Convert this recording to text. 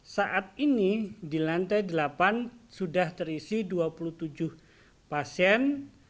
saat ini di lantai delapan sudah terisi dua puluh tujuh pasien